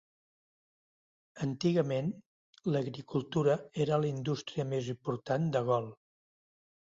Antigament, l'agricultura era la indústria més important de Gol.